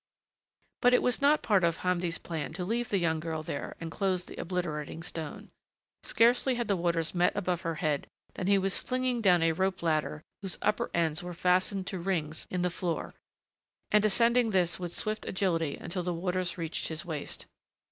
But it was not part of Hamdi's plan to leave the young girl there and close the obliterating stone. Scarcely had the waters met above her head than he was flinging down a rope ladder whose upper ends were fastened to rings in the floor and descending this with swift agility until the waters reached his waist.